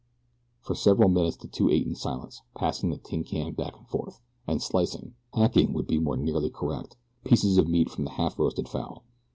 For several minutes the two ate in silence, passing the tin can back and forth, and slicing hacking would be more nearly correct pieces of meat from the half roasted fowl.